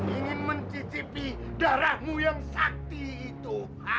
ingin mencicipi darahmu yang sakti itu